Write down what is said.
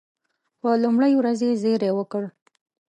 په لومړۍ ورځ یې زېری وکړ.